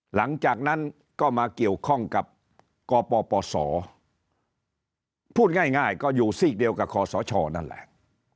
หลังจากนั้นก็มาเกี่ยวข้องกับกปปศพูดง่ายก็อยู่ซีกเดียวกับคอสชนั่นแหละ